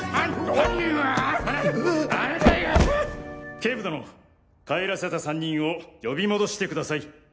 警部殿帰らせた３人を呼び戻してください。